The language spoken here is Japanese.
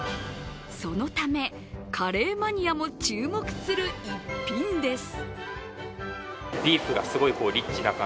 そのため、カレーマニアも注目する一品です。